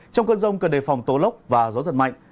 trong cơn rông cần đề phòng tố lốc và gió giật mạnh